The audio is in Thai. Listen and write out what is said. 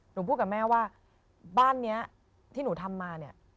หนูพูดแบบบ้านที่หนูทำมา